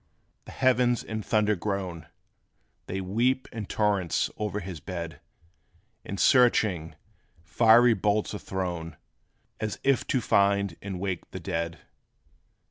But, hark! the heavens in thunder groan; They weep in torrents o'er his bed; And searching, fiery bolts are thrown, As if to find and wake the dead.